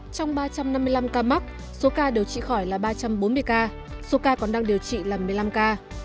trong ba trăm năm mươi năm ca mắc số ca điều trị khỏi là ba trăm bốn mươi ca số ca còn đang điều trị là một mươi năm ca